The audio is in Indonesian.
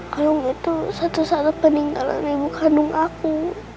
kalung itu satu satu peninggalan ibu kandung aku